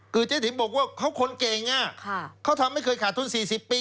คือเจ๊ติ๋มบอกว่าเขาคนเก่งเขาทำให้เคยขาดทุน๔๐ปี